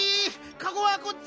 かごはこっち。